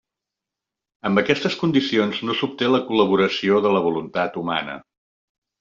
Amb aquestes condicions no s'obté la col·laboració de la voluntat humana.